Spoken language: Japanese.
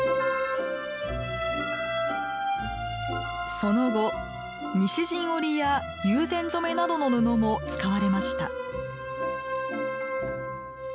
その後西陣織や友禅染めなどの布も使われました。